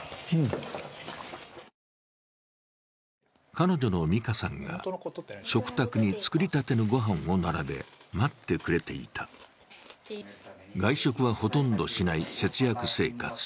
彼女の美花さんが食卓に作りたてのご飯を並べ、待ってくれていた外食はほとんどしない節約生活。